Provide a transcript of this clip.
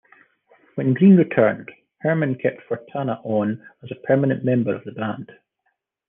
When Green returned, Herman kept Fontana on as a permanent member of the band.